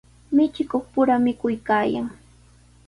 Michikuqpura mikuykaayan.